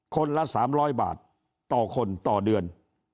คนละ๓๐๐บาทต่อคนต่อเดือน